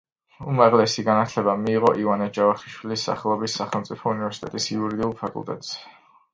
უმაღლესი განათლება მიიღო ივანე ჯავახიშვილის სახელობის სახელმწიფო უნივერსიტეტის იურიდიულ ფაკულტეტზე.